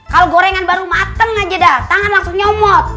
kalau gorengan baru mateng aja dah tangan langsung nyomot